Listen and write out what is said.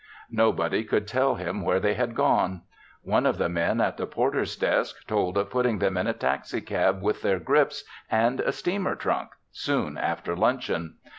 Nobody could tell him where they had gone. One of the men at the porter's desk told of putting them in a taxicab with their grips and a steamer trunk soon after luncheon.